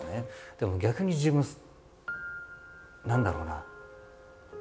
でも逆に自分何だろうな。